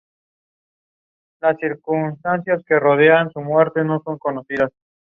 Con rizomas subterráneos del que brotan las hojas.